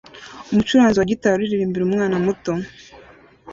Umucuranzi wa gitari uririmbira umwana muto